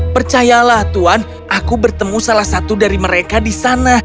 percayalah tuan aku bertemu salah satu dari mereka di sana